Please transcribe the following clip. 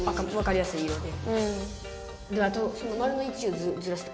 じゃあその丸の位置をずらすと。